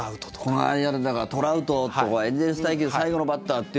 この間の、だからトラウトとかエンゼルス対決最後のバッターって。